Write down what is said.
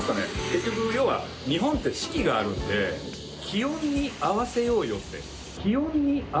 結局要は日本って四季があるので気温に合わせようよって。